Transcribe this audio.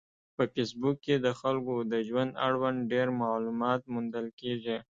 په فېسبوک کې د خلکو د ژوند اړوند ډېر معلومات موندل کېږي.